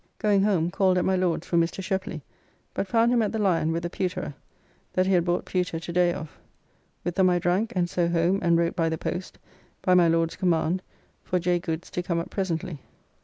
Going home, called at my Lord's for Mr. Sheply, but found him at the Lion with a pewterer, that he had bought pewter to day of. With them I drank, and so home and wrote by the post, by my Lord's command, for J. Goods to come up presently.